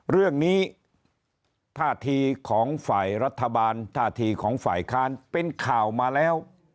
เรื่องนี้ท่าทีของฝ่ายรัฐบาลท่าทีของฝ่ายค้านเป็นข่าวมาแล้ว